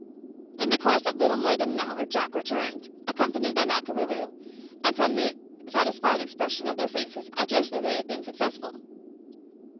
In the course of little more than an hour Jack returned, accompanied by Makarooroo, and from the satisfied expression of their faces I judged that they had been successful.